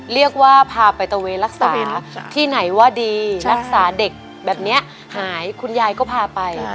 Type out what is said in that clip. เรียกว่าพาไปตะเวนรักษาที่ไหนว่าดีรักษาเด็กแบบนี้หายคุณยายก็พาไป